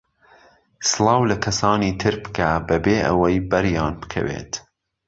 سڵاو لە کەسانی تر بکە بەبێ ئەوەی بەریان بکەویت.